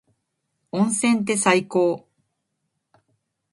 温泉って最高。